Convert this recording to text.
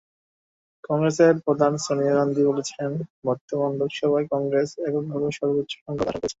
কংগ্রেসের প্রধান সোনিয়া গান্ধী বলেছেন, বর্তমান লোকসভায় কংগ্রেস এককভাবে সর্বোচ্চসংখ্যক আসন পেয়েছে।